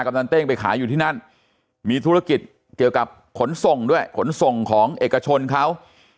นันเต้งไปขายอยู่ที่นั่นมีธุรกิจเกี่ยวกับขนส่งด้วยขนส่งของเอกชนเขา